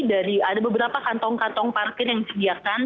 dari ada beberapa kantong kantong parkir yang disediakan